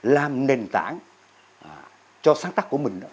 làm nền tảng cho sáng tác của mình